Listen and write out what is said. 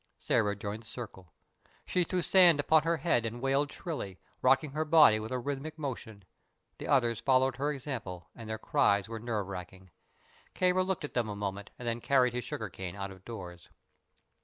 Sĕra joined the circle. She threw sand upon her head and wailed shrilly, rocking her body with a rhythmical motion. The others followed her example, and their cries were nerve racking. Kāra looked at them a moment and then carried his sugar cane out of doors.